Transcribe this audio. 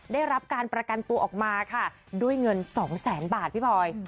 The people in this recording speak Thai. ได้รับการประกันตัวออกมาค่ะด้วยเงิน๒แสนบาทพี่พลอย